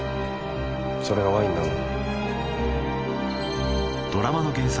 それがワインなんだ。